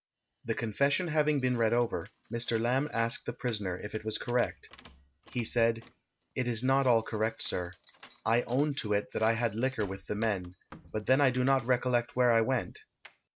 The confession having been read over, Mr. Lamb asked the prisoner if it was correct. He said: it is not all correct, sir. I own to it that I had liquor with the men, but then I do not recollect where I went.